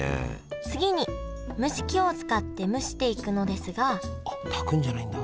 次に蒸し器を使って蒸していくのですがあ炊くんじゃないんだ？